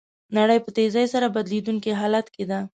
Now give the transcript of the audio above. نړۍ په تېزۍ سره بدلیدونکي حالت کې ده.